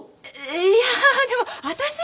いやでも私は。